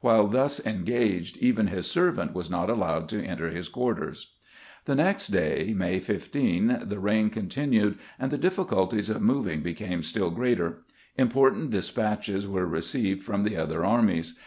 While thus engaged even his servant was not allowed to enter his quarters. The next day. May 15, the rain continued, and the difficulties of moving became still greater. Important despatches were received from the other armies.